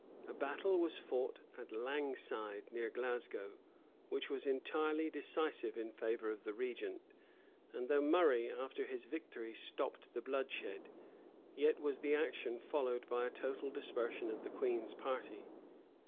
A battle was fought at Langside, near Glasgow, which was entirely decisive in favor of the regent; and though Murray, after his victory, stopped the bloodshed, yet was the action followed by a total dispersion of the queen's party.